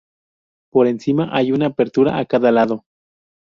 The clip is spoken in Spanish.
Por encima, hay una apertura a cada lado.